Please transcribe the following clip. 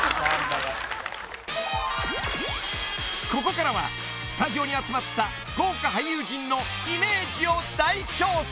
［ここからはスタジオに集まった豪華俳優陣のイメージを大調査］